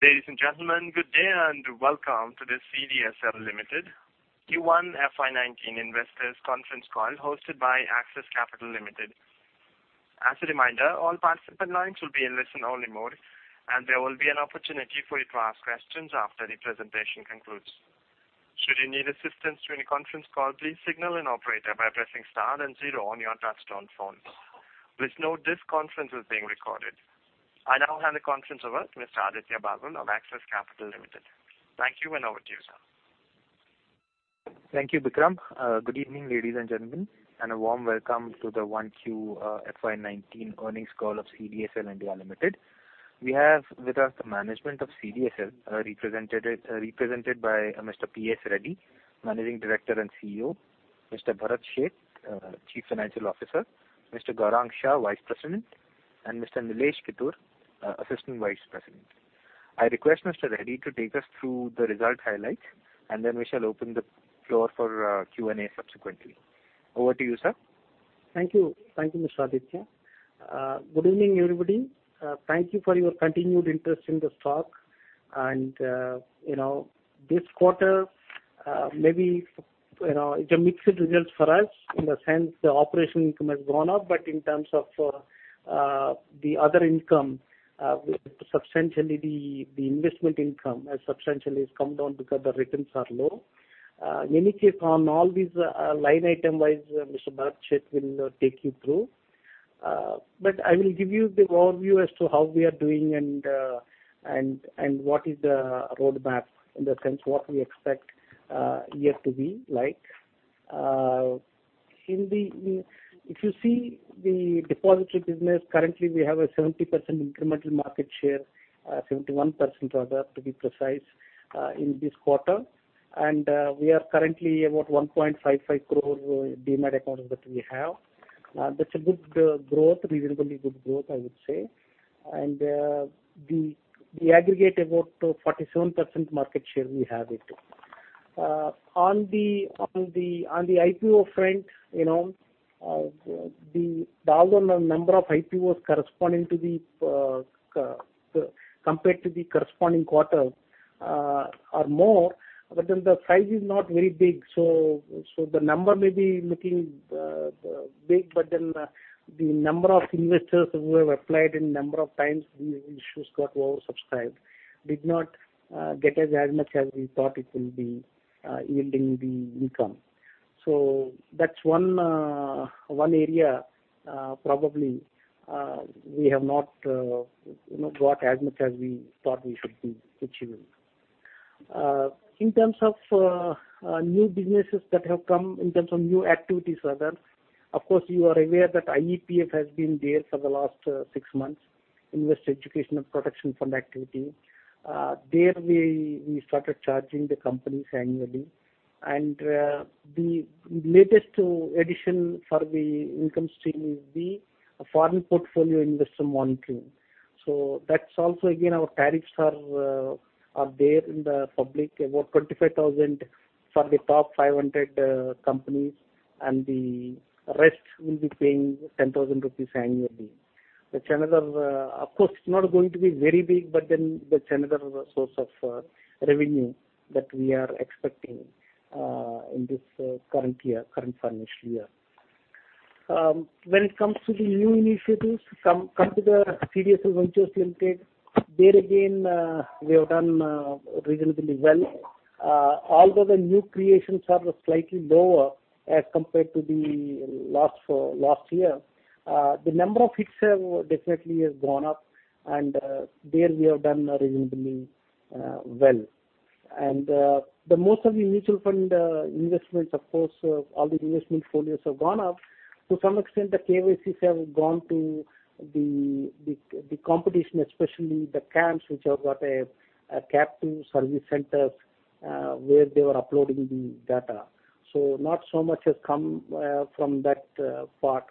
Ladies and gentlemen, good day and welcome to the CDSL Limited Q1 FY 2019 investors conference call hosted by Axis Capital Limited. As a reminder, all participant lines will be in listen only mode, and there will be an opportunity for you to ask questions after the presentation concludes. Should you need assistance during the conference call, please signal an operator by pressing star and zero on your touch-tone phone. Please note this conference is being recorded. I now hand the conference over to Mr. Aditya Bhagwan of Axis Capital Limited. Thank you, and over to you, sir. Thank you, Vikram. Good evening, ladies and gentlemen, a warm welcome to the 1Q FY 2019 earnings call of Central Depository Services (India) Limited. We have with us the management of CDSL, represented by Mr. P.S. Reddy, Managing Director and CEO, Mr. Bharat Sheth, Chief Financial Officer, Mr. Gaurang Shah, Vice President, and Mr. Nilesh Kittur, Assistant Vice President. I request Mr. Reddy to take us through the result highlights, we shall open the floor for Q&A subsequently. Over to you, sir. Thank you, Mr. Aditya. Good evening, everybody. Thank you for your continued interest in the stock. This quarter, maybe it's a mixed result for us in the sense the operation income has gone up. In terms of the other income, the investment income has substantially come down because the returns are low. In any case, on all these line item wise, Mr. Bharat Sheth will take you through. I will give you the overview as to how we are doing and what is the roadmap, in the sense, what we expect here to be like. If you see the depository business, currently we have a 70% incremental market share, 71% rather, to be precise, in this quarter. We are currently about 1.55 crore demat accounts that we have. That's a reasonably good growth, I would say. We aggregate about 47% market share we have it. On the IPO front, the dollar number of IPOs compared to the corresponding quarter are more, the size is not very big. The number may be looking big, the number of investors who have applied and number of times the issues got oversubscribed did not get us as much as we thought it will be yielding the income. That's one area probably we have not got as much as we thought we should be achieving. In terms of new businesses that have come, in terms of new activities rather, of course, you are aware that IEPF has been there for the last six months, Investor Education and Protection Fund activity. There we started charging the companies annually. The latest addition for the income stream is the foreign portfolio investor monitoring. That's also, again, our tariffs are there in the public, about 25,000 for the top 500 companies, the rest will be paying 10,000 rupees annually. Of course, it's not going to be very big, that's another source of revenue that we are expecting in this current financial year. When it comes to the new initiatives, come to CDSL Ventures Limited. There again, we have done reasonably well. Although the new creations are slightly lower as compared to the last year, the number of hits definitely has gone up, and there we have done reasonably well. The most of the mutual fund investments, of course, all the investment portfolios have gone up. To some extent, the KYCs have gone to the competition, especially the CAMS, which have got captive service centers where they were uploading the data. Not so much has come from that part.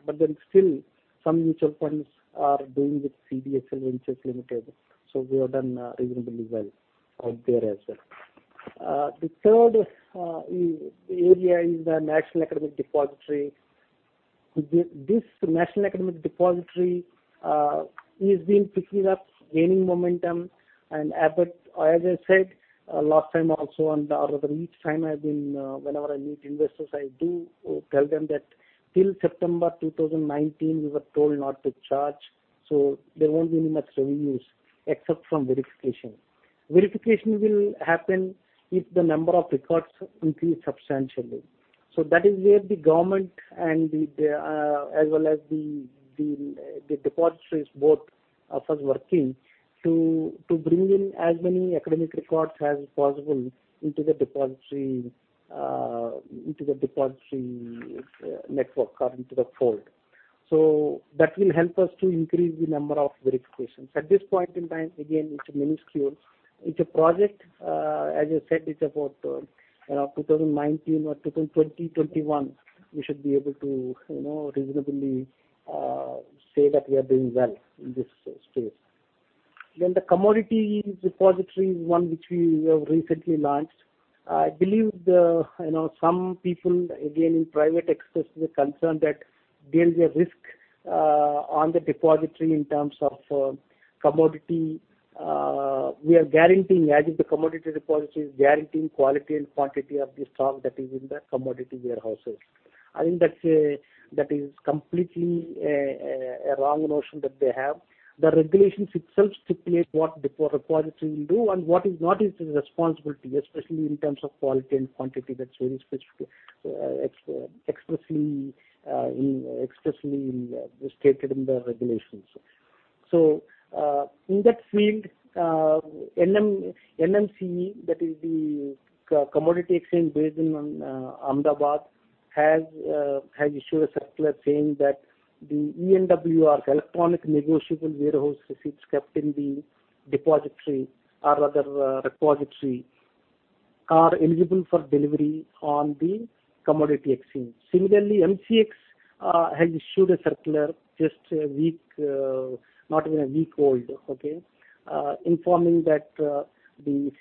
Still, some mutual funds are doing with CDSL Ventures Limited, we have done reasonably well out there as well. The third area is the National Academic Depository. This National Academic Depository is being picking up, gaining momentum as I said last time also, or rather each time whenever I meet investors, I do tell them that till September 2019, we were told not to charge. There won't be much revenues except from verification. Verification will happen if the number of records increase substantially. That is where the government and as well as the depositories both of us working to bring in as many academic records as possible into the depository network or into the fold. That will help us to increase the number of verifications. At this point in time, again, it's minuscule. It's a project, as I said, it's about 2019 or 2021, we should be able to reasonably say that we are doing well in this space. The commodity repository is one which we have recently launched. I believe some people, again, in private expressed the concern that there is a risk on the depository in terms of commodity. We are guaranteeing, as is the commodity repositories, guaranteeing quality and quantity of the stock that is in the commodity warehouses. I think that is completely a wrong notion that they have. The regulations itself stipulate what the depository will do and what is not its responsibility, especially in terms of quality and quantity. That's very specifically, expressly stated in the regulations. In that field, NMCE, that is the commodity exchange based in Ahmedabad, has issued a circular saying that the ENWR, electronic negotiable warehouse receipts, kept in the depository or other repository are eligible for delivery on the commodity exchange. Similarly, MCX has issued a circular, not even a week old, informing that the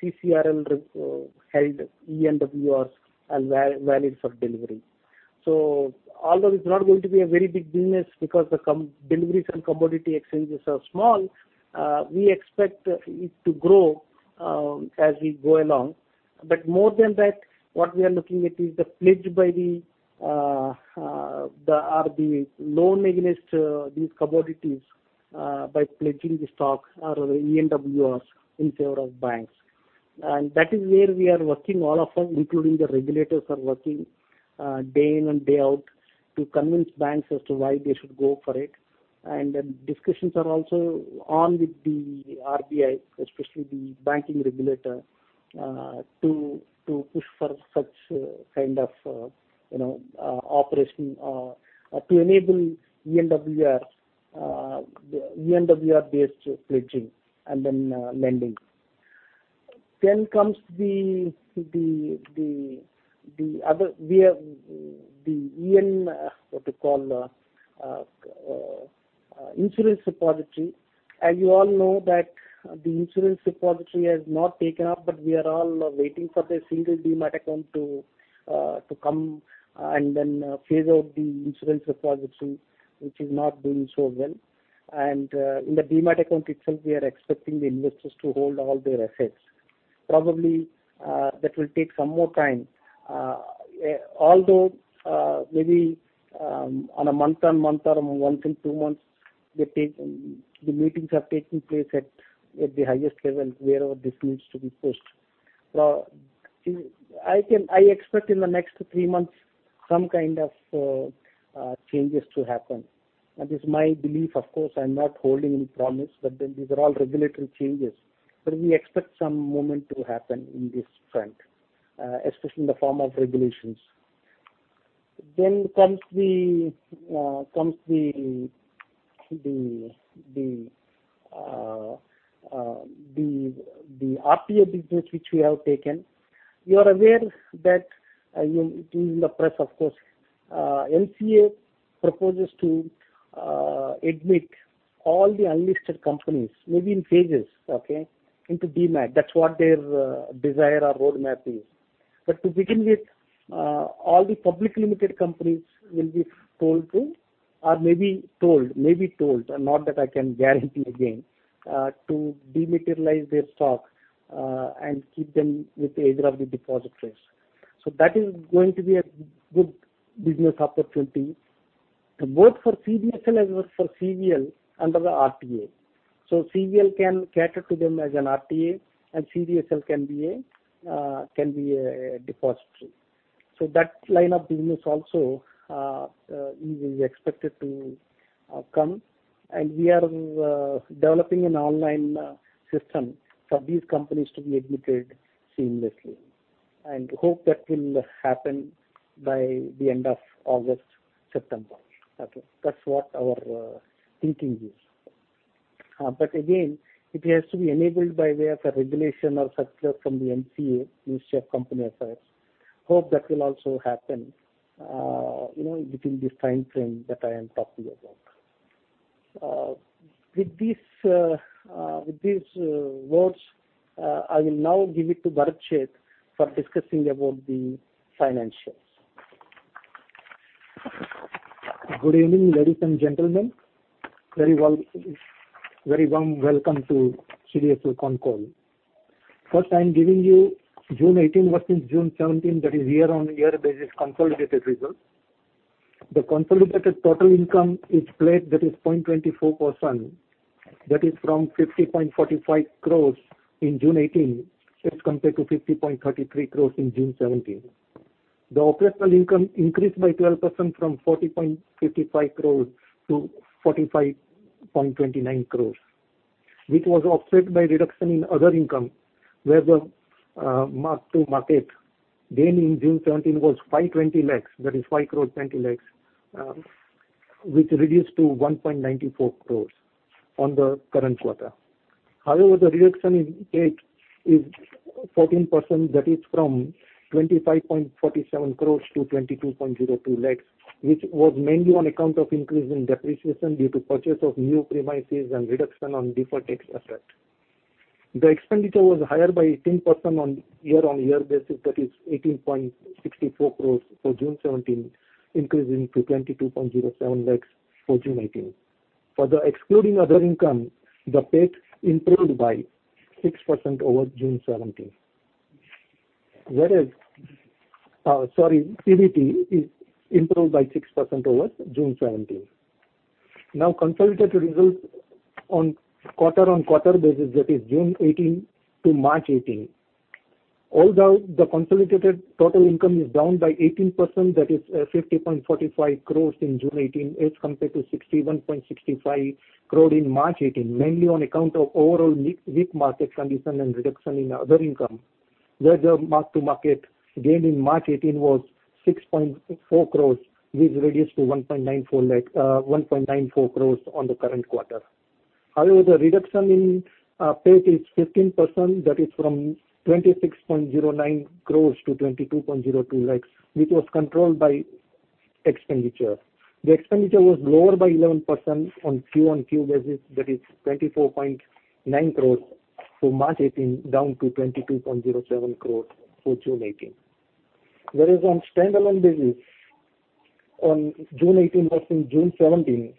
CCRL held ENWRs are valid for delivery. Although it's not going to be a very big business because the deliveries and commodity exchanges are small, we expect it to grow as we go along. More than that, what we are looking at is the pledge by the loan against these commodities by pledging the stock or the ENWRs in favor of banks. That is where we are working, all of us, including the regulators, are working day in and day out to convince banks as to why they should go for it. Discussions are also on with the Reserve Bank of India, especially the banking regulator, to push for such kind of operation to enable ENWR-based pledging and lending. The other, what you call insurance repository. As you all know that the insurance repository has not taken up, but we are all waiting for the single demat account to come and phase out the insurance repository, which is not doing so well. In the demat account itself, we are expecting the investors to hold all their assets. Probably that will take some more time. Although, maybe on a month-on-month or once in two months, the meetings have taken place at the highest level wherever this needs to be pushed. I expect in the next three months, some kind of changes to happen. That is my belief. Of course, I am not holding any promise, but these are all regulatory changes. We expect some movement to happen in this front, especially in the form of regulations. The RTA business, which we have taken. You are aware that, it is in the press of course, MCA proposes to admit all the unlisted companies, maybe in phases, into demat. That is what their desire or roadmap is. To begin with, all the public limited companies will be told to, or may be told, not that I can guarantee again, to dematerialize their stock and keep them with either of the depositories. That is going to be a good business opportunity, both for CDSL as well as for CVL under the RTA. So CVL can cater to them as an RTA, and CDSL can be a depository. That line of business also is expected to come. We are developing an online system for these companies to be admitted seamlessly, and hope that will happen by the end of August, September. That is what our thinking is. Again, it has to be enabled by way of a regulation or circular from the MCA, Ministry of Corporate Affairs. Hope that will also happen within the time frame that I am talking about. With these words, I will now give it to Bharat Sheth for discussing about the financials. Good evening, ladies and gentlemen. Very warm welcome to CDSL con call. First, I am giving you June 2018 versus June 2017, that is year-on-year basis, consolidated result. The consolidated total income is flat, that is 0.24%, that is from 50.45 crores in June 2018 as compared to 50.33 crores in June 2017. The operational income increased by 12% from 40.55 crores to 45.29 crores, which was offset by reduction in other income, where the mark to market gain in June 2017 was 520 lakhs, that is 5 crore 20 lakhs, which reduced to 1.94 crores on the current quarter. However, the reduction in PAT is 14%, that is from 25.47 crores to 22.02 crores, which was mainly on account of increase in depreciation due to purchase of new premises and reduction on deferred tax effect. The expenditure was higher by 18% year-on-year basis, that is 18.64 crores for June 2017, increasing to 22.07 crores for June 2018. Excluding other income, the PAT improved by 6% over June 2017. PBT improved by 6% over June 2017. Consolidated results on quarter-on-quarter basis, that is June 2018 to March 2018. Although the consolidated total income is down by 18%, that is 50.45 crores in June 2018 as compared to 61.65 crores in March 2018, mainly on account of overall weak market condition and reduction in other income, where the mark-to-market gain in March 2018 was 6.4 crores, which reduced to 1.94 crores on the current quarter. The reduction in PAT is 15%, that is from 26.09 crores to 22.02 lakhs, which was controlled by expenditure. The expenditure was lower by 11% on Q-on-Q basis, that is 24.9 crores for March 2018, down to 22.07 crores for June 2018. On standalone basis on June 2018 versus June 2017,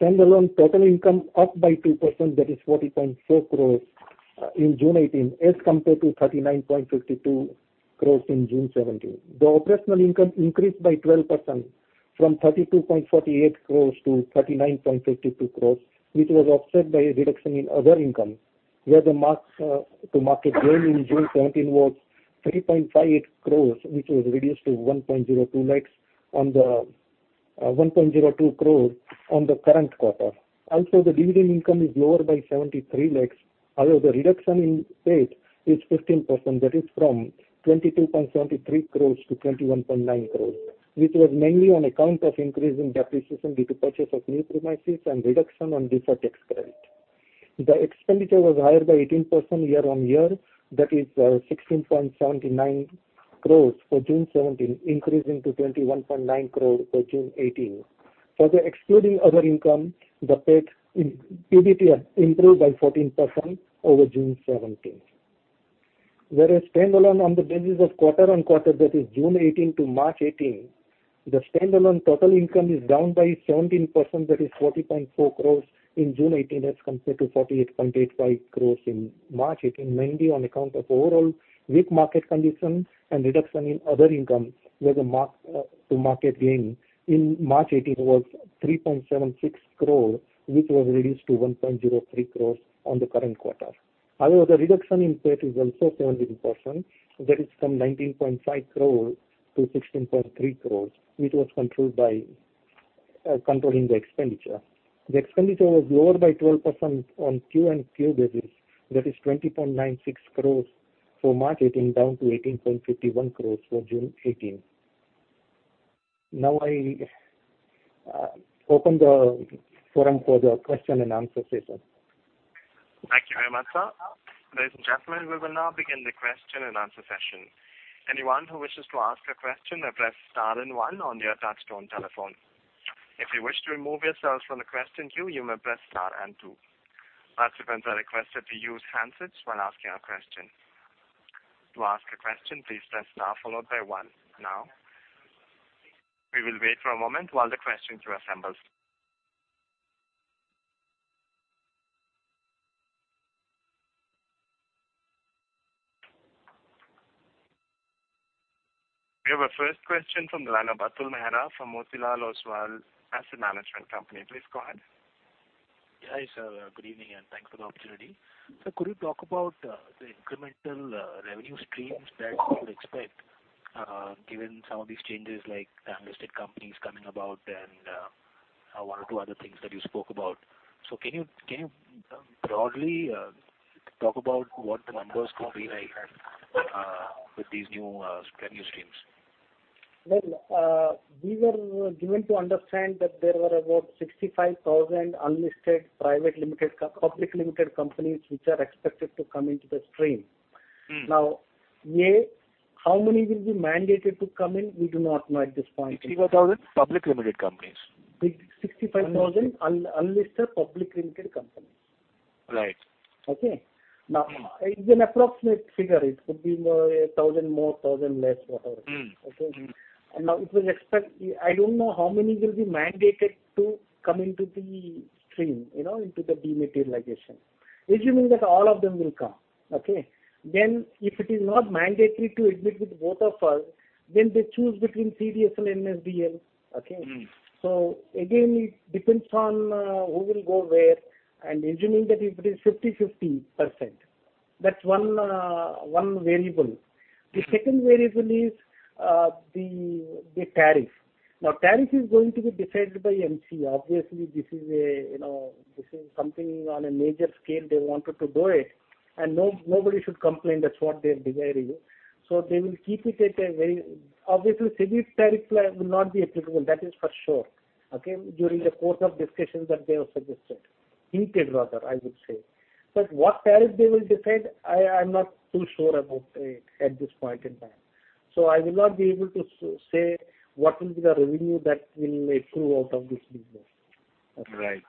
standalone total income up by 2%, that is 40.4 crores in June 2018 as compared to 39.52 crores in June 2017. The operational income increased by 12%, from 32.48 crores to 39.52 crores, which was offset by a reduction in other income, where the mark-to-market gain in June 2017 was 3.58 crores, which was reduced to 1.02 crores on the current quarter. The dividend income is lower by 73 lakhs. The reduction in PAT is 15%, that is from 22.73 crores to 16.3 crores, which was mainly on account of increase in depreciation due to purchase of new premises and reduction on deferred tax credit. The expenditure was higher by 18% year-on-year, that is 16.79 crores for June 2017, increasing to 21.9 crores for June 2018. Excluding other income, the PBT improved by 14% over June 2017. Standalone on the basis of quarter-on-quarter, that is June 2018 to March 2018, the standalone total income is down by 17%, that is 40.4 crores in June 2018 as compared to 48.85 crores in March 2018, mainly on account of overall weak market condition and reduction in other income, where the mark-to-market gain in March 2018 was 3.76 crores, which was reduced to 1.03 crores on the current quarter. The reduction in PAT is also 17%, that is from 19.5 crores to 16.3 crores, which was controlled by controlling the expenditure. The expenditure was lower by 12% on Q-on-Q basis, that is 20.96 crores for March 2018, down to 18.51 crores for June 2018. I open the forum for the question and answer session. Thank you very much, sir. Ladies and gentlemen, we will now begin the question and answer session. Anyone who wishes to ask a question may press star and one on your touchtone telephone. If you wish to remove yourselves from the question queue, you may press star and two. Participants are requested to use handsets when asking a question. To ask a question, please press star followed by one now. We will wait for a moment while the question queue assembles. We have our first question from the line of Atul Mehra from Motilal Oswal Asset Management Company. Please go ahead. Yeah. Hi, sir. Good evening, and thanks for the opportunity. Sir, could you talk about the incremental revenue streams that you would expect, given some of these changes like the unlisted companies coming about and one or two other things that you spoke about. Can you broadly talk about what the numbers could be like with these new revenue streams? Well, we were given to understand that there were about 65,000 unlisted public limited companies, which are expected to come into the stream. Now, A, how many will be mandated to come in, we do not know at this point in time. 65,000 public limited companies. 65,000 unlisted public limited companies. Right. Okay? It's an approximate figure. It could be 1,000 more, 1,000 less, whatever. Okay? I don't know how many will be mandated to come into the stream, into the dematerialization. Assuming that all of them will come. Okay? If it is not mandatory to admit with both of us, then they choose between CDSL and NSDL. Okay? Again, it depends on who will go where, and assuming that if it is 50/50%, that's one variable. The second variable is the tariff. Now, tariff is going to be decided by MC. Obviously, this is something on a major scale. They wanted to do it, and nobody should complain. That's what they're desiring. Obviously, CDSL tariff plan will not be applicable, that is for sure, okay, during the course of discussions that they have suggested. He did rather, I would say. What tariff they will decide, I'm not too sure about it at this point in time. I will not be able to say what will be the revenue that will accrue out of this business. Right.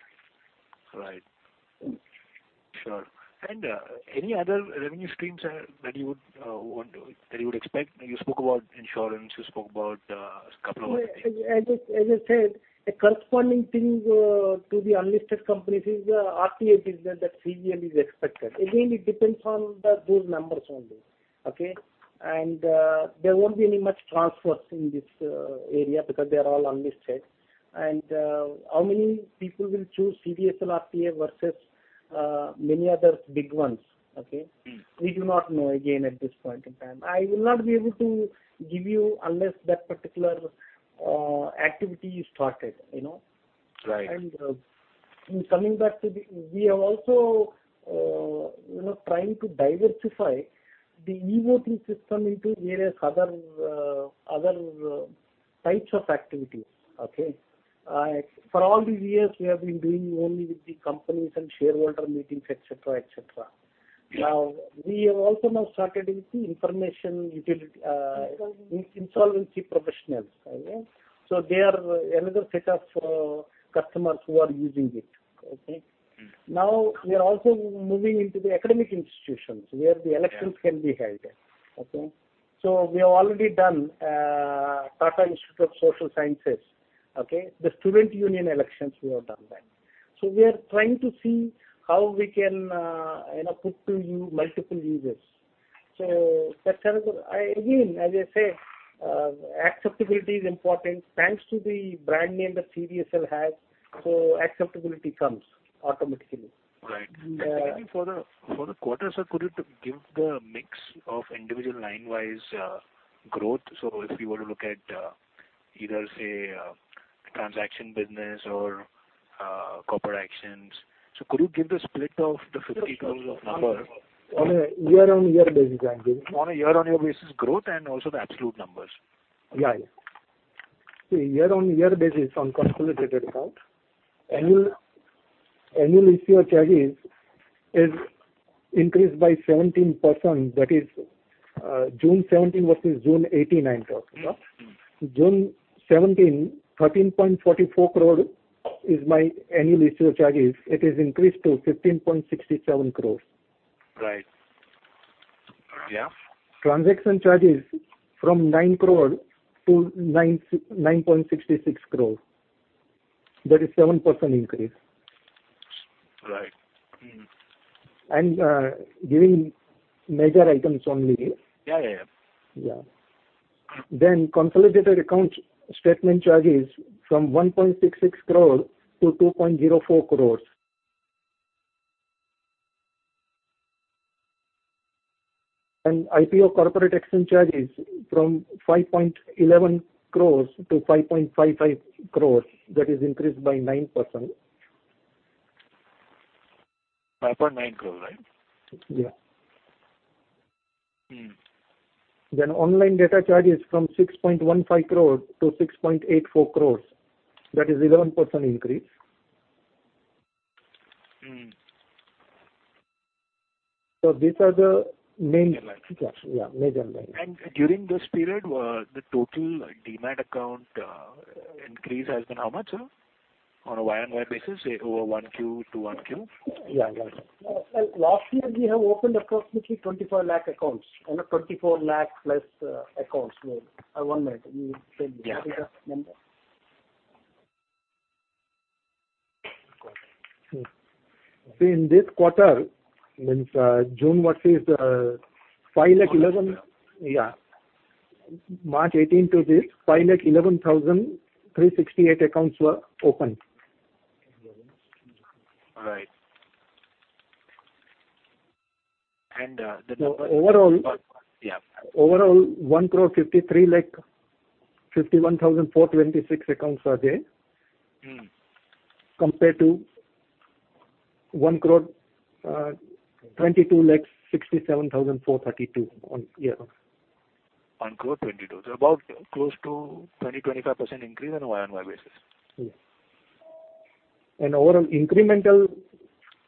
Sure. Any other revenue streams that you would expect? You spoke about insurance, you spoke about a couple of other things. As I said, the corresponding thing to the unlisted companies is the RTA business that CDSL is expected. Again, it depends on those numbers only. Okay? There won't be any much transfers in this area because they are all unlisted. How many people will choose CDSL RTA versus many other big ones, okay? We do not know again at this point in time. I will not be able to give you unless that particular activity is started. Right. We are also trying to diversify the e-voting system into various other types of activities. We have been doing only with the companies and shareholder meetings, et cetera. We have also started with the information utility- Insolvency insolvency professionals. They are another set of customers who are using it. We are also moving into the academic institutions where the elections can be held. We have already done Tata Institute of Social Sciences. The student union elections, we have done that. We are trying to see how we can put to multiple users. Again, as I say, acceptability is important. Thanks to the brand name that CDSL has, acceptability comes automatically. Right. Maybe for the quarter, sir, could you give the mix of individual line-wise growth? If you were to look at either, say, transaction business or corporate actions. Could you give the split of the 50 crore of number? On a year-on-year basis, I think. On a year-on-year basis growth and also the absolute numbers. See, year-on-year basis on consolidated account, annual issuer charges is increased by 17%, that is June 2017 versus June 2018, I talk. June 2017, 13.44 crore is my annual issuer charges. It is increased to 15.67 crore. Right. Yeah. Transaction charges from 9 crore-9.66 crore. That is 7% increase. Right. Giving major items only. Yeah. Yeah. Consolidated account statement charges from 1.66 crore to 2.04 crores. IPO corporate action charges from 5.11 crores to 5.55 crores, that is increased by 9%. 5.9 crores, right? Yeah. Online data charges from 6.15 crore to 6.84 crores. That is 11% increase. These are the main- Major ones. Yeah, major ones. During this period, the total demat account increase has been how much, sir? On a Y on Y basis, say over 1Q to 1Q? Yeah. Last year, we have opened approximately 25 lakh accounts. 24 lakh plus accounts. One minute. Yeah. You have that number? In this quarter, means June versus 511. Yeah. March 2018 to this, 511,368 accounts were opened. All right. So overall- Yeah. Overall, 1,53,51,426 accounts are there. Compared to 1,22,67,432 on year. 1 crore 22. About close to 20%, 25% increase on a Y on Y basis. Yeah. Overall incremental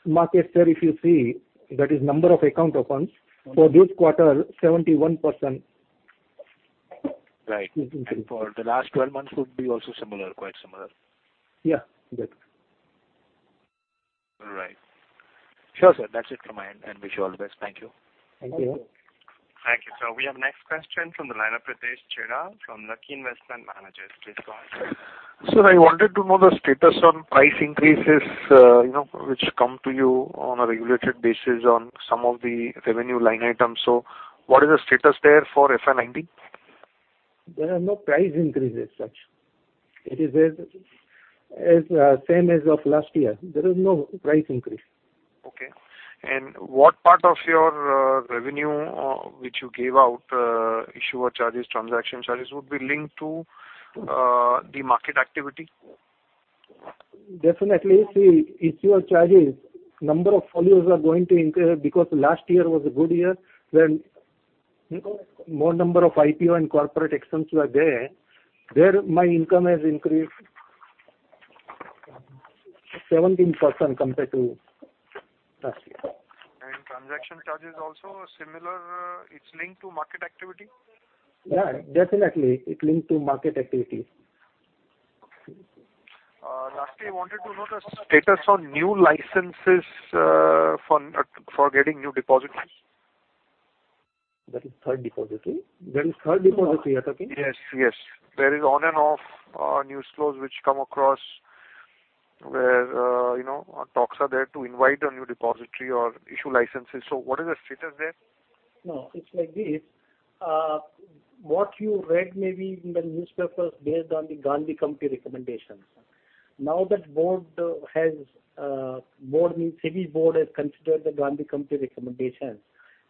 market share, if you see, that is number of account opens, for this quarter, 71%. Right. For the last 12 months would be also quite similar. Yeah, that. All right. Sure, sir. That's it from my end. I wish you all the best. Thank you. Thank you. Thank you. Thank you, sir. We have next question from the line of Pritesh Chheda from Lucky Investment Managers. Please go ahead. Sir, I wanted to know the status on price increases which come to you on a regulated basis on some of the revenue line items. What is the status there for FY 2019? There are no price increases as such. It is same as of last year. There is no price increase. Okay. What part of your revenue which you gave out, issuer charges, transaction charges would be linked to the market activity? Definitely. See, issuer charges, number of folios are going to increase because last year was a good year when more number of IPO and corporate actions were there. There my income has increased 17% compared to last year. Transaction charges also similar, it's linked to market activity? Yeah, definitely. It linked to market activity. Okay. Lastly, I wanted to know the status on new licenses for getting new depositaries. That is third depository you're talking? Yes. There is on and off news flows which come across where talks are there to invite a new depository or issue licenses. What is the status there? No, it's like this. What you read maybe in the newspapers based on the Gandhi Committee recommendations. Now that SEBI board has considered the Gandhi Committee recommendations,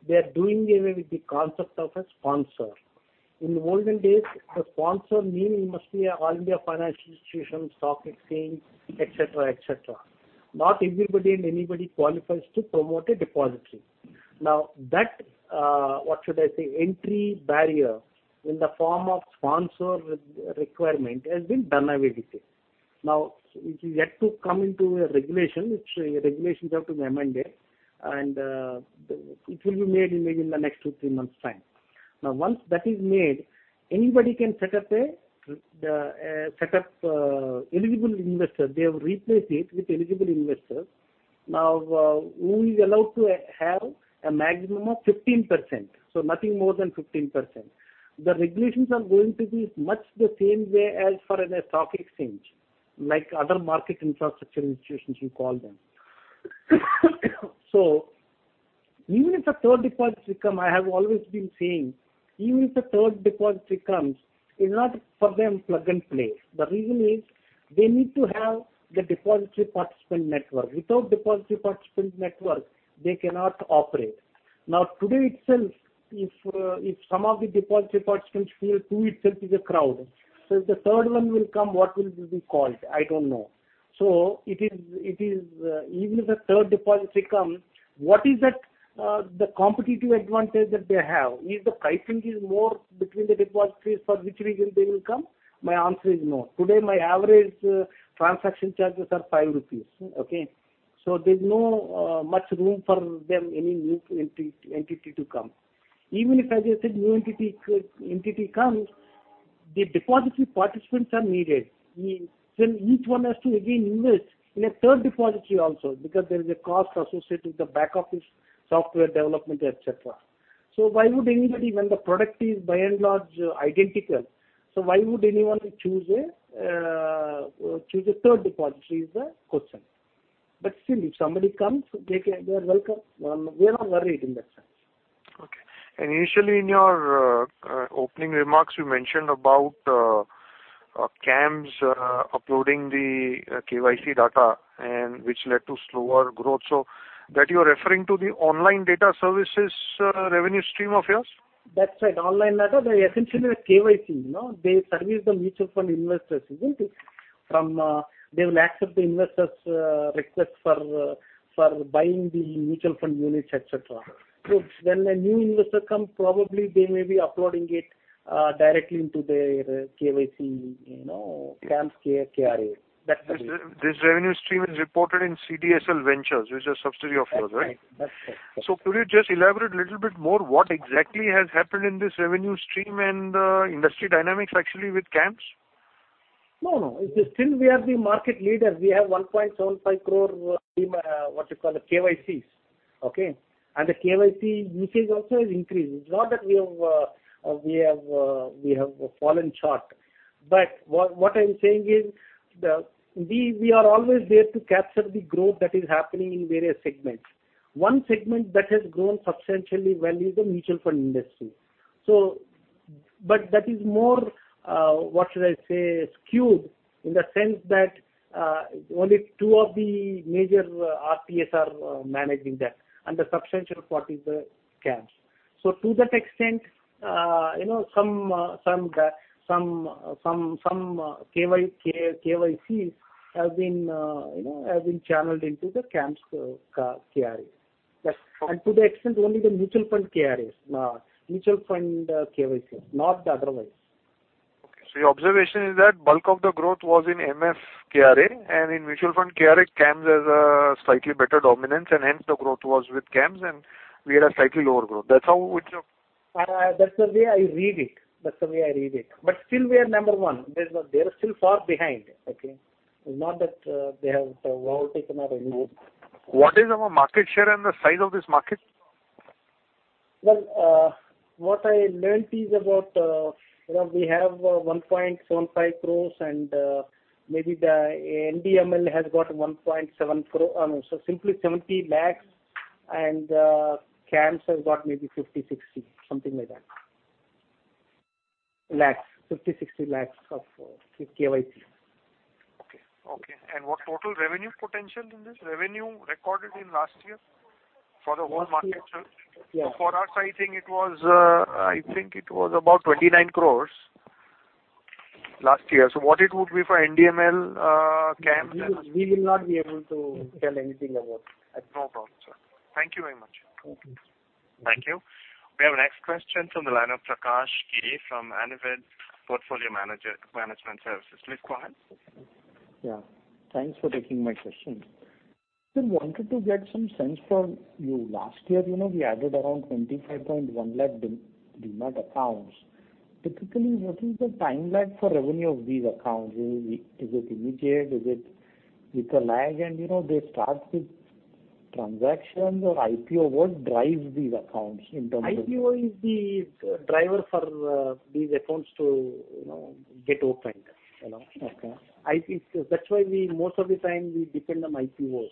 they are doing away with the concept of a sponsor. In the olden days, the sponsor mean you must be All India Financial Institutions, Stock Exchange, et cetera. Not everybody and anybody qualifies to promote a depository. Now that, what should I say, entry barrier in the form of sponsor requirement has been done away with it. Now, it is yet to come into a regulation, which regulations have to be amended, and it will be made maybe in the next two, three months' time. Now, once that is made, anybody can set up eligible investor. They have replaced it with eligible investor. Now, who is allowed to have a maximum of 15%, so nothing more than 15%. The regulations are going to be much the same way as for in a stock exchange, like other market infrastructure institutions you call them. Even if a third depository comes, I have always been saying, even if the third depository comes, it's not for them plug and play. The reason is they need to have the depository participant network. Without depository participant network, they cannot operate. Now, today itself, if some of the depository participants feel too, itself is a crowd. If the third one will come, what will it be called? I don't know. Even if a third depository comes, what is the competitive advantage that they have? If the pricing is more between the depositories for which reason they will come? My answer is no. Today, my average transaction charges are 5.00 rupees. There's no much room for any new entity to come. Even if, as I said, new entity comes, the depository participants are needed. Each one has to again invest in a third depository also because there is a cost associated with the back office, software development, et cetera. Why would anybody, when the product is by and large identical, why would anyone choose a third depository is the question. But still, if somebody comes, they are welcome. We are not worried in that sense. Okay. Initially in your opening remarks, you mentioned about CAMS uploading the KYC data and which led to slower growth. That you're referring to the online data services revenue stream of yours? That's right. Online data, they essentially are KYC. They service the mutual fund investors, isn't it? They will accept the investors' request for buying the mutual fund units, et cetera. When a new investor comes, probably they may be uploading it directly into their KYC CAMS KRA. That's it. This revenue stream is reported in CDSL Ventures, which is a subsidiary of yours, right? That's right. Could you just elaborate little bit more what exactly has happened in this revenue stream and industry dynamics actually with CAMS? No. Still we are the market leader. We have 1.75 crore, what you call, KYCs. Okay. The KYC usage also is increasing. It's not that we have fallen short. What I'm saying is, we are always there to capture the growth that is happening in various segments. One segment that has grown substantially well is the mutual fund industry. That is more, what should I say, skewed in the sense that only two of the major RTAs are managing that, and the substantial part is the CAMS. To that extent some KYCs have been channeled into the CAMS KRA. To the extent only the mutual fund KRAs, mutual fund KYCs, not the otherwise. Okay. Your observation is that bulk of the growth was in MF KRA, in mutual fund KRA, CAMS has a slightly better dominance, hence the growth was with CAMS and we had a slightly lower growth. That's how. That's the way I read it. Still we are number one. They are still far behind. Okay. It's not that they have overtaken our revenue. What is our market share and the size of this market? What I learnt is about we have 1.75 crore and maybe the NDML has got 1.7 crore, no, simply 70 lakh, CAMS has got maybe 50, 60, something like that. 50, 60 lakh of KYC. Okay. What total revenue potential in this? Revenue recorded in last year for the whole market share? Yeah. For us, I think it was about 29 crores last year. What it would be for NSDL, CAMS and We will not be able to tell anything about that. No problem, sir. Thank you very much. Okay. Thank you. We have our next question from the line of Prakash Giri from Anavyd Portfolio Management Services. Please go ahead. Yeah. Thanks for taking my question. Sir, wanted to get some sense from you. Last year, we added around 25.1 lakh Demat accounts. Typically, what is the timeline for revenue of these accounts? Is it immediate? Is it with a lag? They start with transactions or IPO. What drives these accounts in terms of- IPO is the driver for these accounts to get opened. Okay. That's why most of the time we depend on IPOs.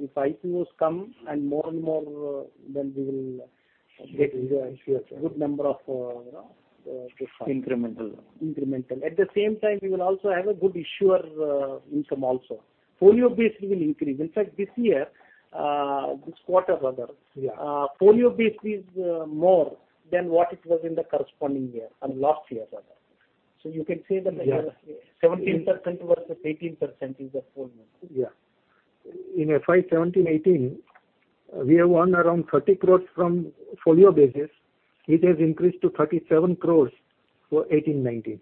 If IPOs come, and more and more, then we will get- Yes, sure A good number of these accounts. Incremental. Incremental. At the same time, we will also have a good issuer income also. Folio base will increase. In fact, this year, this quarter rather. Yeah Folio base is more than what it was in the corresponding year, last year rather. You can say the number. Yeah 17% versus 18% is a folio. Yeah. In FY 2017-2018, we have won around 30 crores from folio basis. It has increased to 37 crores for 2018-2019.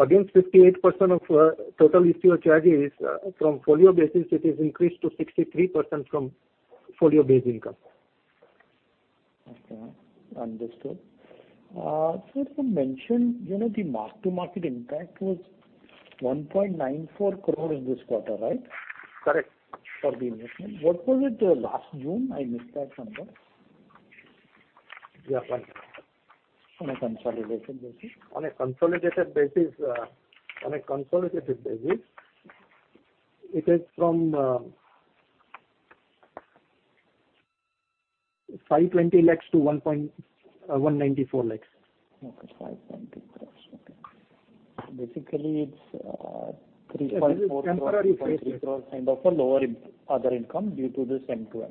Against 58% of total issuer charges from folio basis, it is increased to 63% from folio-based income. Okay. Understood. Sir, you mentioned the mark-to-market impact was 1.94 crore in this quarter, right? Correct. For the investment. What was it last June? I missed that number. Yeah. On a consolidated basis. On a consolidated basis, it is from 520 lakhs to 194 lakhs. Okay, 520 crores. It is temporary phase 3.4 crore kind of a lower other income due to this M2M.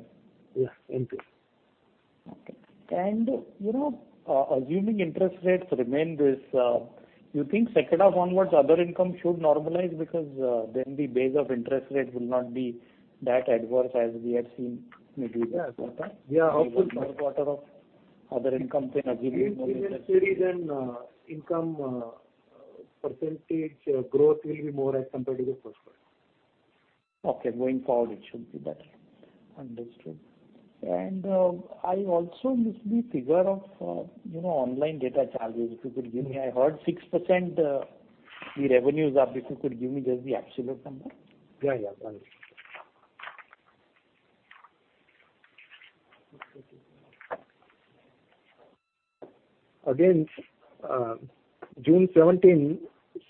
Yeah, M2M. Okay. Assuming interest rates remain this, you think second half onwards other income should normalize because then the base of interest rates will not be that adverse as we had seen maybe this quarter? Yeah. Hopefully. Third quarter of other income can aggregate more than that. In that case income percentage growth will be more as compared to the first quarter. Okay. Going forward, it should be better. Understood. I also missed the figure of online data charges, if you could give me. I heard 6% the revenues up, if you could give me just the absolute number. Yeah, done. Against June 2017,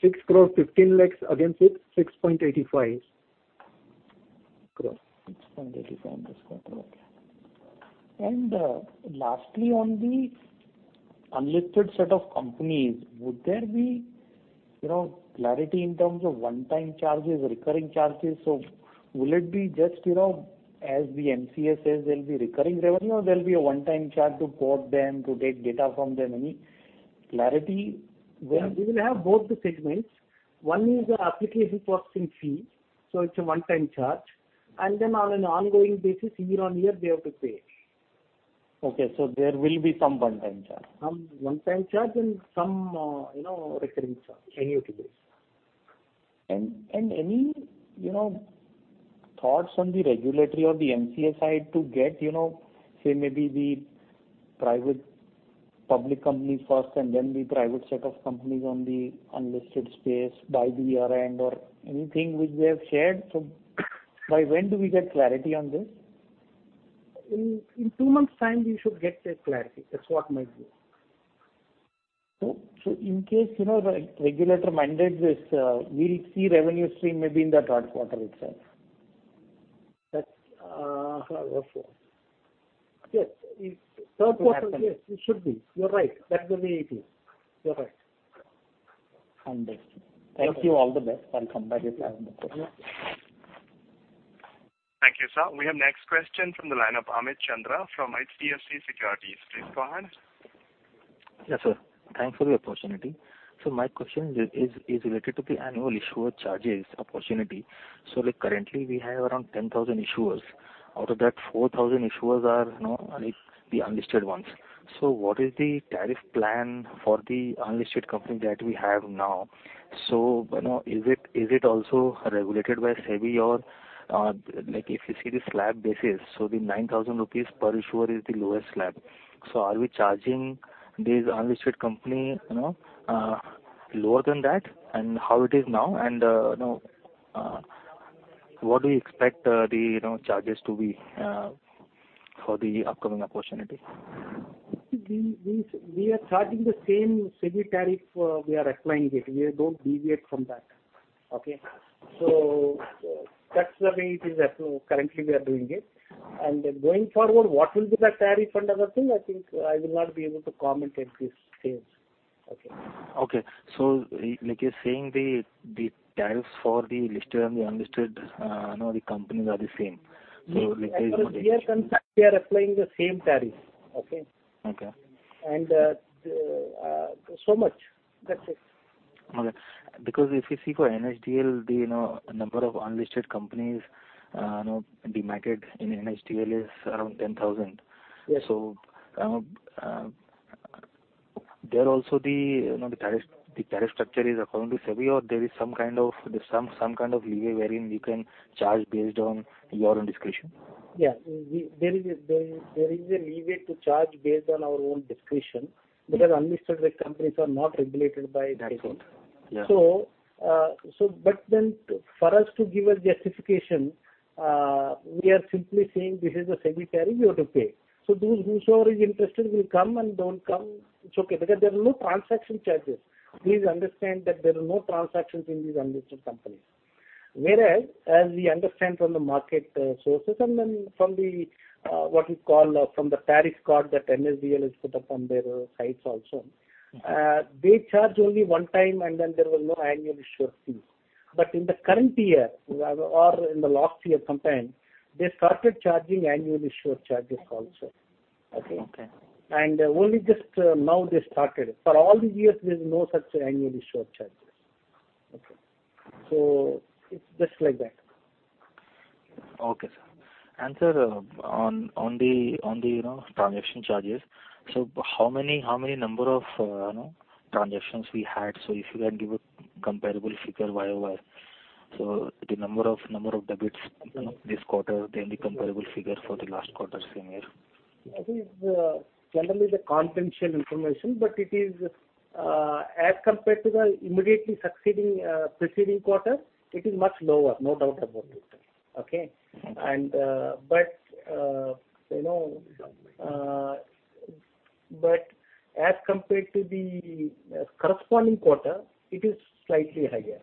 INR 6.15 crore against INR 6.85 crore. INR 6.85 this quarter. Okay. Lastly, on the unlisted set of companies, would there be clarity in terms of one-time charges, recurring charges? Will it be just as the MCA says, there'll be recurring revenue or there'll be a one-time charge to port them, to take data from them? Any clarity there? We will have both the segments. One is application processing fee, so it's a one-time charge. Then on an ongoing basis, year on year, they have to pay. Okay, there will be some one-time charge. Some one-time charge and some recurring charge, annual basis. Any thoughts on the regulatory or the MCA side to get, say maybe the private public companies first and then the private set of companies on the unlisted space by the year-end or anything which they have shared? By when do we get clarity on this? In two months time, we should get clarity. That's what might be. In case the regulator mandates this, we'll see revenue stream maybe in that third quarter itself. That's how it works. Yes. Third quarter. It happens yes, it should be. You're right. That will be it. You're right. Understood. Thank you. Thank you. All the best. I'll come back if I have more questions. Thank you, sir. We have next question from the line of Amit Chandra from HDFC Securities. Please go ahead. Yes, sir. Thanks for the opportunity. My question is related to the annual issuer charges opportunity. Currently we have around 10,000 issuers. Out of that, 4,000 issuers are the unlisted ones. What is the tariff plan for the unlisted company that we have now? Is it also regulated by SEBI or, if you see the slab basis, the 9,000 rupees per issuer is the lowest slab. Are we charging these unlisted company lower than that, and how it is now, and what do you expect the charges to be for the upcoming opportunity? We are charging the same SEBI tariff we are applying it. We don't deviate from that. Okay. That's the way it is currently we are doing it. Going forward, what will be the tariff and other thing, I think I will not be able to comment at this phase. Okay. Like you're saying, the tariffs for the listed and the unlisted companies are the same. As far as we are concerned, we are applying the same tariff. Okay? Okay. So much. That's it. Okay. Because if you see for NSDL, the number of unlisted companies dematted in NSDL is around 10,000. Yes. There also the tariff structure is according to SEBI or there is some kind of leeway wherein you can charge based on your own discretion? Yeah. There is a leeway to charge based on our own discretion, because unlisted companies are not regulated by SEBI. That's it. Yeah. For us to give a justification, we are simply saying, "This is the SEBI tariff you have to pay." Whoever is interested will come, and don't come, it's okay, because there are no transaction charges. Please understand that there are no transactions in these unlisted companies. Whereas, as we understand from the market sources, and then from the tariff card that NSDL has put up on their sites also. They charge only one time, and then there was no annual issuer fee. In the current year, or in the last year sometime, they started charging annual sure charges also. Okay? Okay. Only just now they started. For all the years there is no such annual issuer charges. Okay. It's just like that. Okay, sir. Sir, on the transaction charges. How many number of transactions we had? If you can give a comparable figure year-over-year. The number of debits this quarter, then the comparable figure for the last quarter, same year. I think generally the confidential information, but it is as compared to the immediately succeeding preceding quarter, it is much lower, no doubt about it. Okay? Okay. As compared to the corresponding quarter, it is slightly higher.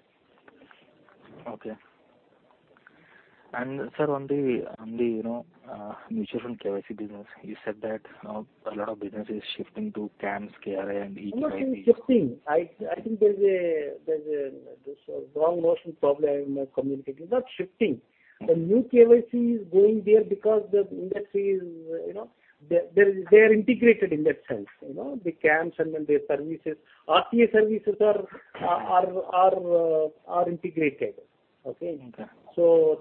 Sir, on the mutual fund KYC business, you said that a lot of business is shifting to CAMS, KRA, and eKYC. No, not shifting. I think there's a wrong notion probably I may communicated. Not shifting. The new KYC is going there because the industry is, they are integrated in that sense. The CAMS and then their services, RTA services are integrated. Okay? Okay.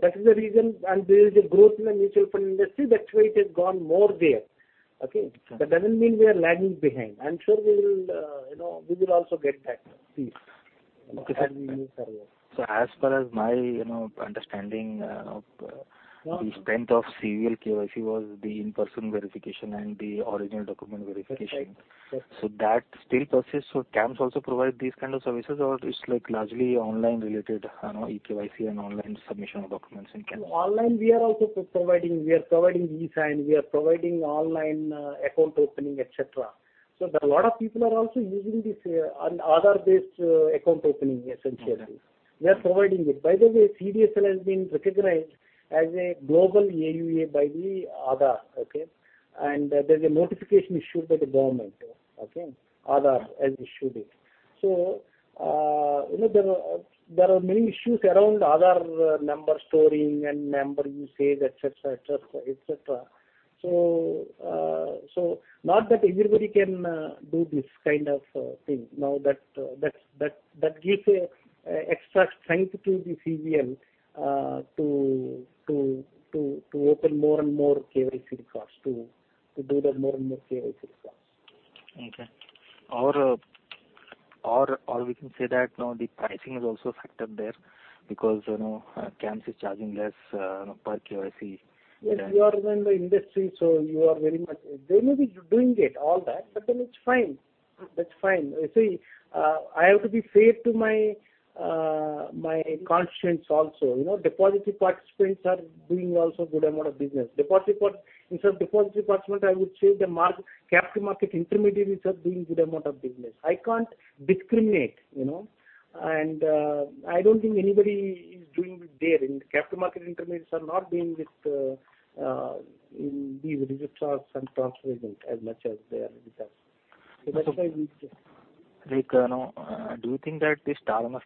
That is the reason, There is a growth in the mutual fund industry, that's why it has gone more there. Okay? Sure. That doesn't mean we are lagging behind. I'm sure we will also get that piece. Okay, sir. As per my understanding of the strength of CVL KYC was the in-person verification and the original document verification. That's right. Yes. That still persists, CAMS also provide these kind of services, or it's like largely online related, eKYC and online submission of documents in CAMS? Online, we are also providing. We are providing e-sign, we are providing online account opening, et cetera. A lot of people are also using this Aadhaar-based account opening, essentially. Okay. We are providing it. CDSL has been recognized as a global AUA by the Aadhaar, okay? There's a notification issued by the government. Aadhaar has issued it. There are many issues around Aadhaar number storing and number usage, et cetera. Not that everybody can do this kind of thing. Now that gives a extra strength to the CVL to open more and more KYC records, to do the more and more KYC records. Okay. We can say that, now the pricing is also a factor there because CAMS is charging less per KYC. Yes. You are in the industry, so They may be doing it, all that, but then it's fine. That's fine. I have to be fair to my conscience also. Depository participants are doing also good amount of business. Instead of depository participant, I would say the capital market intermediaries are doing good amount of business. I can't discriminate. I don't think anybody is doing it there. Capital market intermediaries are not doing with these registrar and transfer agent as much as they are with us. That's why we Do you think that with this Tarang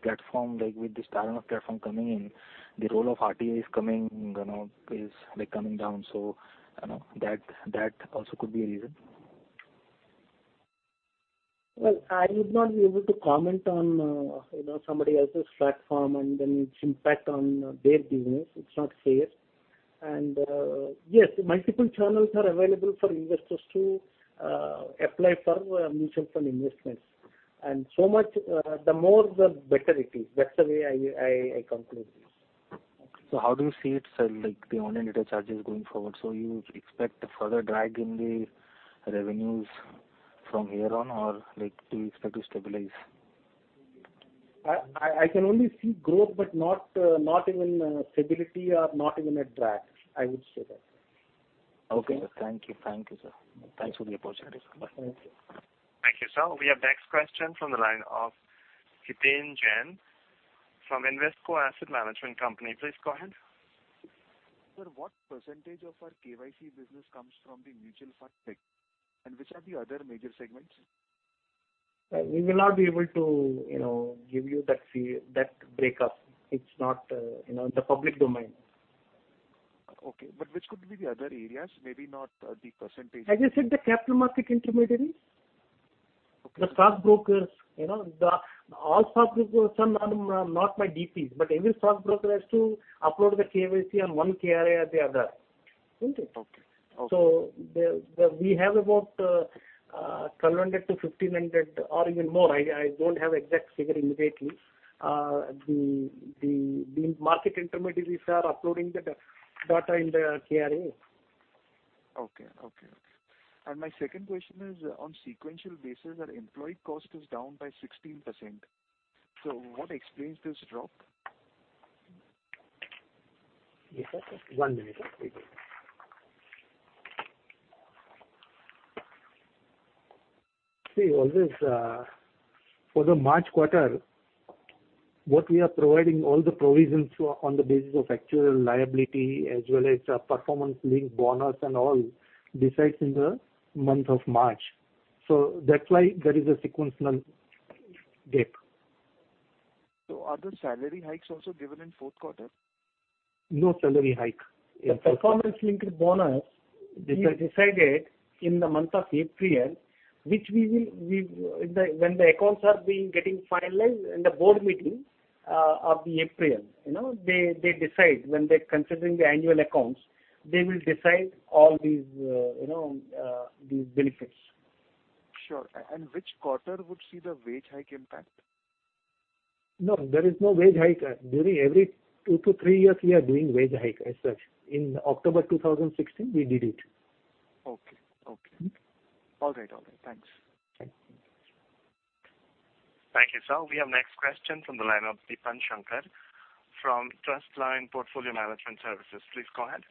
platform coming in, the role of RTA is coming down? That also could be a reason. Well, I would not be able to comment on somebody else's platform and then its impact on their business. It's not fair. Yes, multiple channels are available for investors to apply for mutual fund investments. So much, the more, the better it is. That's the way I conclude this. How do you see it, sir, like the one-time data charges going forward? You expect further drag in the revenues from here on, or do you expect to stabilize? I can only see growth, but not even stability or not even a drag. I would say that. Okay, sir. Thank you, sir. Thanks for the opportunity, sir. Bye. Thank you. Thank you, sir. We have next question from the line of Hiten Jain from Invesco Asset Management Company. Please go ahead. Sir, what % of our KYC business comes from the mutual fund tech? Which are the other major segments? We will not be able to give you that breakup. It's not in the public domain. Okay. Which could be the other areas? As I said, the capital market intermediaries. Okay. The stockbrokers. All stockbrokers are not my DPs, but every stockbroker has to upload the KYC on one KRA or the other. Isn't it? Okay. We have about 1,200 to 1,500 or even more, I don't have exact figure immediately, the market intermediaries are uploading the data in the KRA. Okay. My second question is on sequential basis, our employee cost is down by 16%. What explains this drop? Yes, sir. One minute. For the March quarter, what we are providing all the provisions on the basis of actual liability as well as performance-linked bonus and all decides in the month of March. That's why there is a sequential dip. Are the salary hikes also given in fourth quarter? No salary hike. The performance-linked bonus- Okay they decided in the month of April, when the accounts are being getting finalized in the board meeting of the April. They decide when they're considering the annual accounts, they will decide all these benefits. Sure. Which quarter would see the wage hike impact? No, there is no wage hike. During every two to three years, we are doing wage hike as such. In October 2016, we did it. Okay. All right. Thanks. Thank you, sir. We have next question from the line of Deepak Shankar from Trustline Portfolio Management Services. Please go ahead.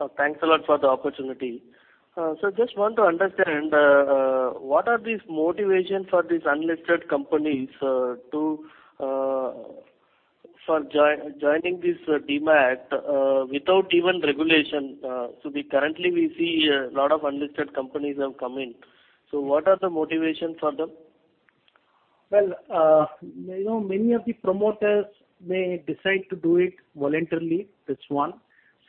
Sir, thanks a lot for the opportunity. Sir, just want to understand, what are these motivation for these unlisted companies for joining this demat without even regulation? Currently we see a lot of unlisted companies have come in. What are the motivations for them? Well, many of the promoters may decide to do it voluntarily. That's one.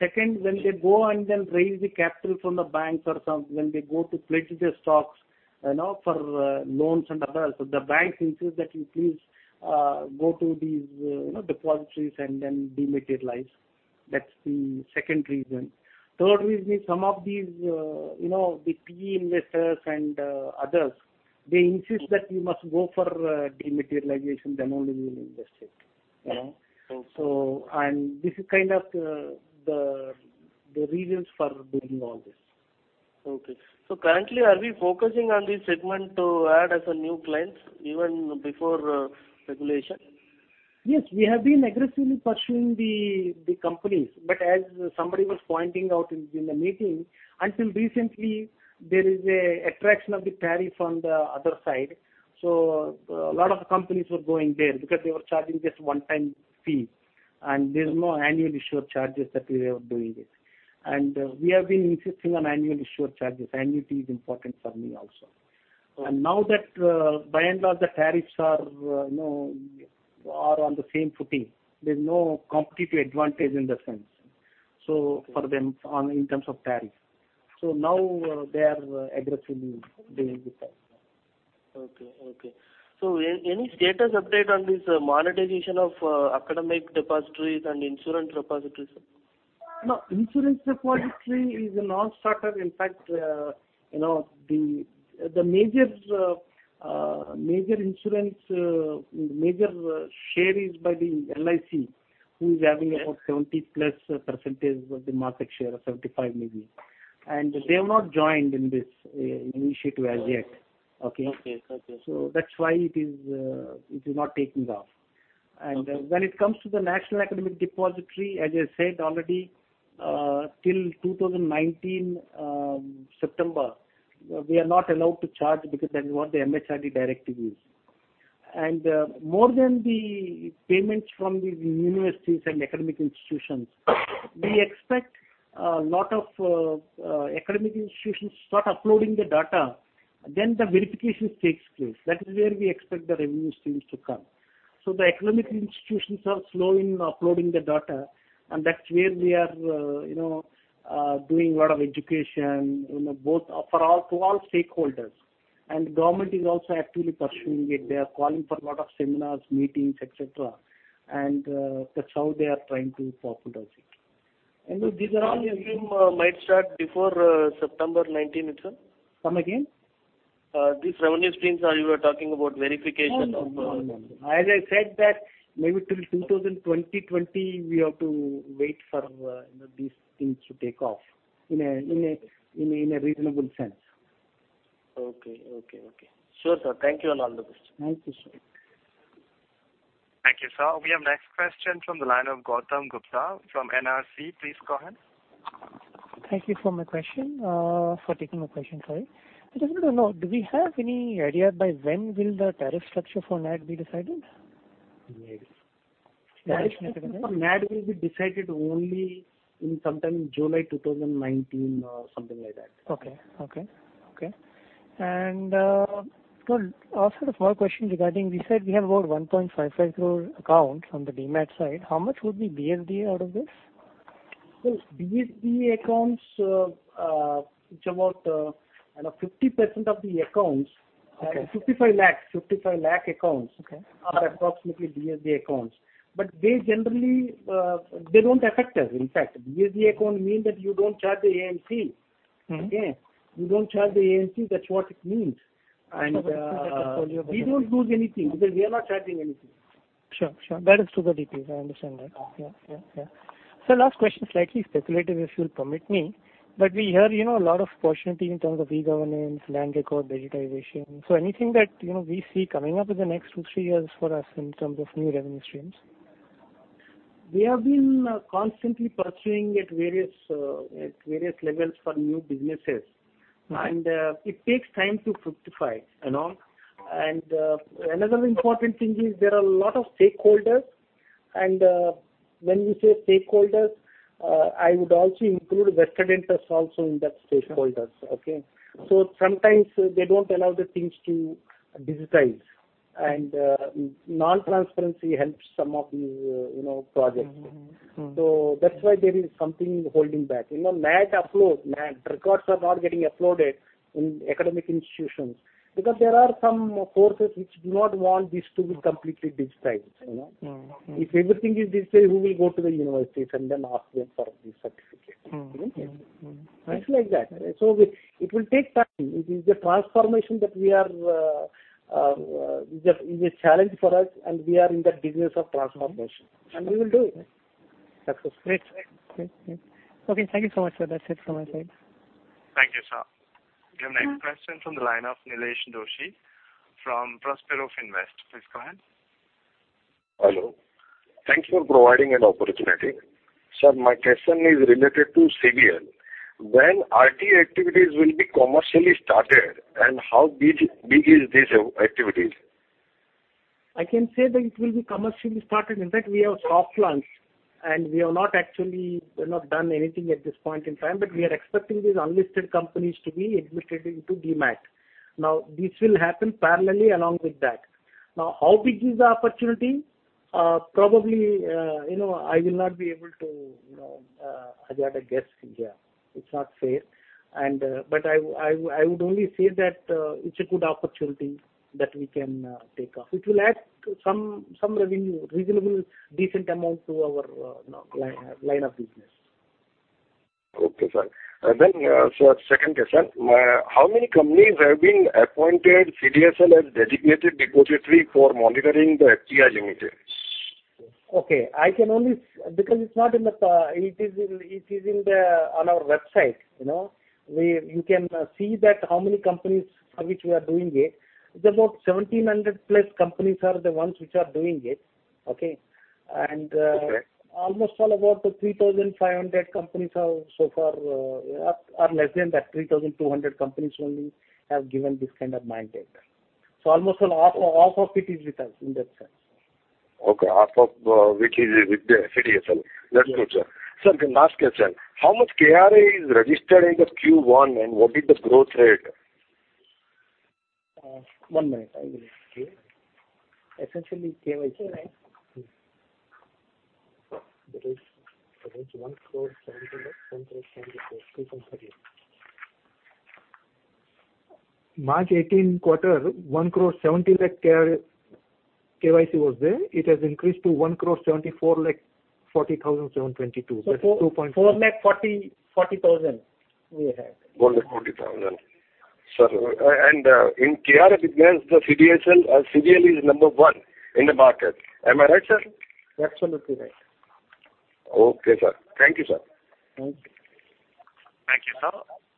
Second, when they go and then raise the capital from the banks or some, when they go to pledge their stocks for loans and others, the banks insist that you please go to these depositories and then dematerialize. That's the second reason. Third reason is some of these PE investors and others, they insist that you must go for dematerialization, then only we will invest it. Okay. This is kind of the reasons for doing all this. Okay. Currently, are we focusing on this segment to add as a new client even before regulation? Yes, we have been aggressively pursuing the companies. As somebody was pointing out in the meeting, until recently, there is attraction of the tariff on the other side. A lot of companies were going there because they were charging just one-time fee. There is no annual issuer charges that we were doing it. We have been insisting on annual issuer charges. Annuity is important for me also. Okay. Now that by and large, the tariffs are on the same footing. There is no competitive advantage in that sense in terms of tariff. Now they are aggressively dealing with us. Okay. Any status update on this monetization of academic depositories and insurance repositories? No, insurance repository is a non-starter. In fact, the major insurance, major share is by the LIC, who is having about 70% plus of the market share or 75% maybe. They have not joined in this initiative as yet. Okay? Okay. That's why it is not taking off. Okay. When it comes to the National Academic Depository, as I said already, till 2019 September, we are not allowed to charge because that is what the MHRD directive is. More than the payments from the universities and academic institutions, we expect a lot of academic institutions start uploading the data, then the verification takes place. That is where we expect the revenue streams to come. The academic institutions are slow in uploading the data, and that's where we are doing a lot of education to all stakeholders. Government is also actively pursuing it. They are calling for a lot of seminars, meetings, et cetera. That's how they are trying to popularize it. These revenue might start before September 2019 itself? Come again. These revenue streams you were talking about verification of No. As I said that maybe till 2020 we have to wait for these things to take off in a reasonable sense. Okay. Sure, sir. Thank you on all the questions. Thank you, sir. Thank you, sir. We have next question from the line of Gautam Gupta from NRC. Please go ahead. Thank you for taking my question. I just want to know, do we have any idea by when will the tariff structure for NAD be decided? NAD? Tariff structure for NAD. NAD will be decided only in sometime in July 2019 or something like that. Okay. Also a small question regarding this. We have over 1.55 crore accounts on the demat side. How much would be BSDA out of this? Well, BSDA accounts, which are about 50% of the accounts. Okay. 55 lakh accounts. Okay are approximately BSDA accounts. They generally don't affect us. In fact, BSDA account means that you don't charge the AMC. Okay? You don't charge the AMC. That's what it means. Basically the portfolio. We don't lose anything because we are not charging anything. Sure. That is to the details. I understand that. Yeah. Sir, last question, slightly speculative, if you'll permit me. We hear a lot of possibilities in terms of e-governance, land record digitization. Anything that we see coming up in the next two, three years for us in terms of new revenue streams? We have been constantly pursuing at various levels for new businesses. It takes time to fructify. Another important thing is there are a lot of stakeholders and when we say stakeholders, I would also include vested interests also in that stakeholders. Okay? Sometimes they don't allow the things to digitize and non-transparency helps some of these projects. That's why there is something holding back. NAD uploads, NAD records are not getting uploaded in academic institutions because there are some courses which do not want this to be completely digitized. If everything is this way, who will go to the universities and then ask them for the certificate? It's like that. It will take time. It is a transformation that is a challenge for us, and we are in the business of transformation, and we will do it successfully. Great. Okay, thank you so much, sir. That's it from my side. Thank you, sir. We have next question from the line of Nilesh Doshi from Prospero Tree. Please go ahead. Hello. Thanks for providing an opportunity. Sir, my question is related to CDSL. When RTA activities will be commercially started, and how big is this activity? I can say that it will be commercially started. In fact, we have soft launched, and we have not done anything at this point in time, but we are expecting these unlisted companies to be admitted into demat. This will happen parallelly along with that. How big is the opportunity? Probably, I will not be able to hazard a guess here. It's not fair. I would only say that it's a good opportunity that we can take off. It will add some revenue, reasonable, decent amount to our line of business. Okay, sir. Sir, second question. How many companies have been appointed CDSL as dedicated depository for monitoring the FPI limitations? Okay. It is on our website. You can see that how many companies for which we are doing it. It's about 1,700 plus companies are the ones which are doing it. Okay? Okay. Almost all, about 3,500 companies so far, or less than that, 3,200 companies only have given this kind of mandate. Almost all half of it is with us in that sense. Okay. Half of which is with the CDSL. That's good, sir. Sir, last question. How much KRA is registered in the Q1 and what is the growth rate? One minute. I will check. Essentially, KYC, right? That is 1,70,000. 1,74,000. 3.38. March 2018 quarter, 170,000 KYC was there. It has increased to 1,744,722. 440,000 we have. 440,000. Sir, in KRA business, the CDSL is number 1 in the market. Am I right, sir? You're absolutely right. Okay, sir. Thank you, sir. Thank you. Thank you, sir.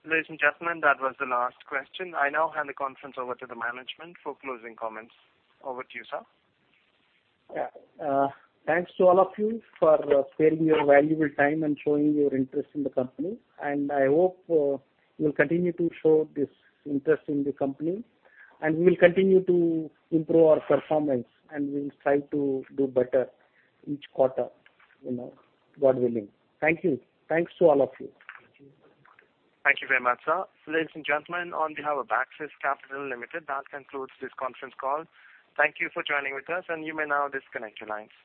Ladies and gentlemen, that was the last question. I now hand the conference over to the management for closing comments. Over to you, sir. Yeah. Thanks to all of you for sparing your valuable time and showing your interest in the company. I hope you'll continue to show this interest in the company, and we will continue to improve our performance, and we'll try to do better each quarter. God willing. Thank you. Thanks to all of you. Thank you very much, sir. Ladies and gentlemen, on behalf of Axis Capital Limited, that concludes this conference call. Thank you for joining with us, and you may now disconnect your lines.